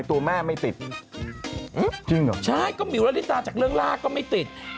ทำไมตัวแม่ไม่ติด